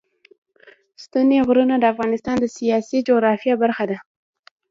ستوني غرونه د افغانستان د سیاسي جغرافیه برخه ده.